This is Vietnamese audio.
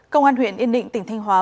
công an huyện yên định tỉnh thanh hóa